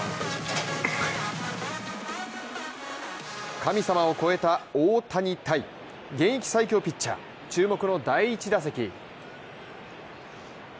神様を超えた大谷対現役最強ピッチャー注目の第１打席。